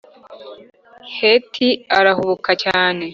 Heti arahubuka cyane